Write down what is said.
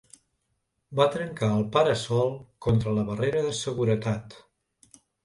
Va trencar el para-sol contra la barrera de seguretat.